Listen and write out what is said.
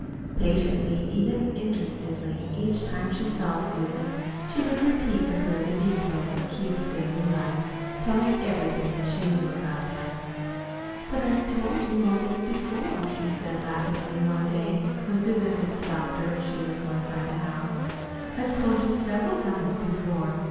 Patiently, even interestedly, each time she saw Susan, she would repeat for her the details of Keith's daily life, telling everything that she knew about him. "But I've told you all there is, before," she said laughingly one day at last, when Susan had stopped her as she was going by the house. "I've told it several times before."